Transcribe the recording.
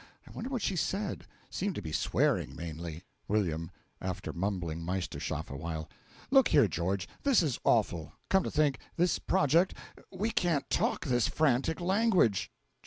I wonder what she said; seemed to be swearing, mainly. W. (After mumbling Meisterschaft a while.) Look here, George, this is awful come to think this project: we can't talk this frantic language. GEO.